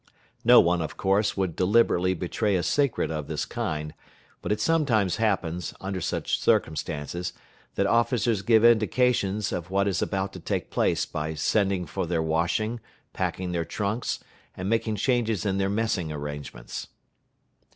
No one, of course, would deliberately betray a secret of this kind, but it sometimes happens, under such circumstances, that officers give indications of what is about to take place by sending for their washing, packing their trunks, and making changes in their messing arrangements.